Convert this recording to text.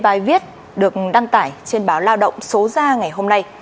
bài viết được đăng tải trên báo lao động số ra ngày hôm nay